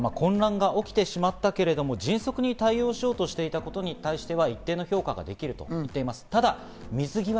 佐藤先生は混乱が起きてしまったけれども迅速に対応しようとしていたことには一定の評価ができるとしています。